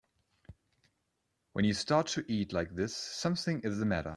When you start to eat like this something is the matter.